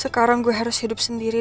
sekarang gue harus hidup sendiri